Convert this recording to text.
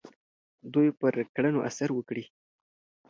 دوی پر کړنو اثر وکړي.